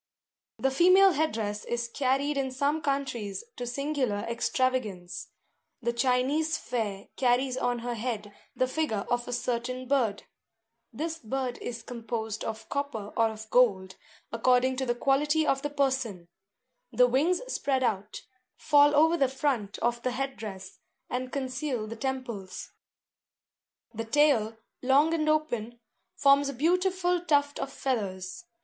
The female head dress is carried in some countries to singular extravagance. The Chinese fair carries on her head the figure of a certain bird. This bird is composed of copper or of gold, according to the quality of the person; the wings spread out, fall over the front of the head dress, and conceal the temples. The tail, long and open, forms a beautiful tuft of feathers.